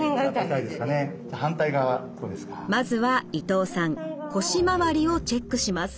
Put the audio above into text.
まずは伊藤さん腰周りをチェックします。